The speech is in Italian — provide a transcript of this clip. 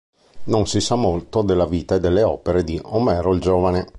Non si sa molto della vita e delle opere di Omero il giovane.